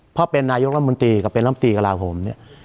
เพราะเป็นนายกรัฐมนตรีกับเป็นลำตีกระลาโหมเนี่ย